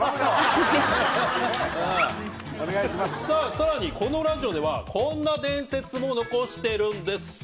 さあさらにこのラジオではこんな伝説も残してるんです。